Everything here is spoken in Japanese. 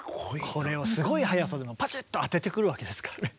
これをすごい速さでパチッと当ててくるわけですからね。